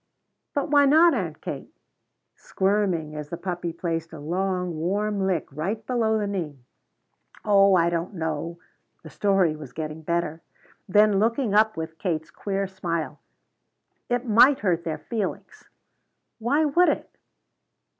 "But why not, Aunt Kate?" squirming as the puppy placed a long warm lick right below the knee. "Oh, I don't know." The story was getting better. Then, looking up with Kate's queer smile: "It might hurt their feelings." "Why would it